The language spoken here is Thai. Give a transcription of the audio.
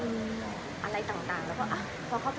แบบนี้ถ้าสมมติเห็นร่างไม่สบายตาก็บล็อกเข้าไป